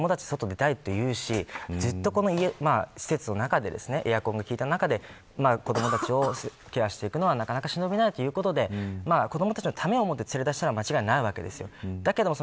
だけど、子どもたちは外に出たいと言うしずっと施設の中でエアコンが効いた中で子どもたちをケアしていくのはなかなか忍びないということで子どもたちのためを思って連れ出しのは間違いないです。